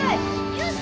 よし！